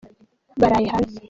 baraye hanze.